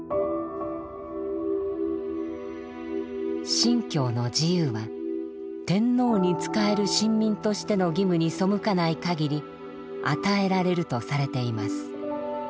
「信教の自由は天皇に仕える臣民としての義務に背かないかぎり与えられる」とされています。